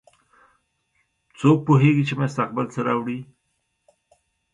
څوک پوهیږي چې مستقبل څه راوړي